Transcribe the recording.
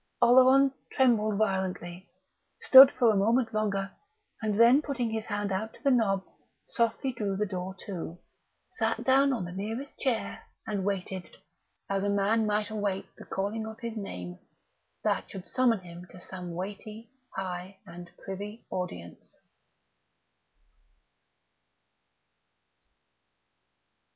Oleron trembled violently, stood for a moment longer, and then, putting his hand out to the knob, softly drew the door to, sat down on the nearest chair, and waited, as a man might await the calling of his name that should summon him to some weighty, high and privy Audience....